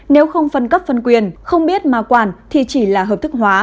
nếu không phân cấp phân quyền không biết mà quản thì chỉ là hợp thức hóa